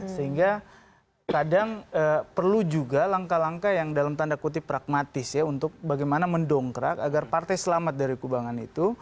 sehingga kadang perlu juga langkah langkah yang dalam tanda kutip pragmatis ya untuk bagaimana mendongkrak agar partai selamat dari kubangan itu